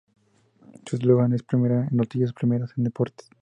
Su eslogan es ‘’Primera en noticias primera en deportes’’.